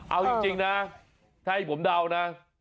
เอาจริงนะถ้าให้ผมเดานะ